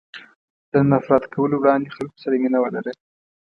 له نفرت کولو وړاندې خلکو سره مینه ولره.